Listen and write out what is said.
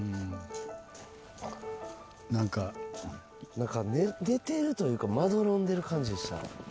何か寝てるというかまどろんでる感じでした。